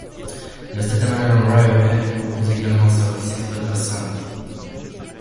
Le Staten Island Railway propose également un service express vers St.